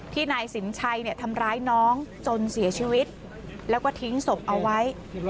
นายสินชัยทำร้ายน้องจนเสียชีวิตแล้วก็ทิ้งศพเอาไว้